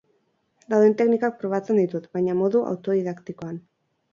Dauden teknikak probatzen ditut, baina modu autodidaktikoan.